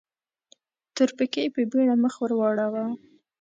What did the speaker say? تورپيکۍ په بيړه مخ ور واړاوه.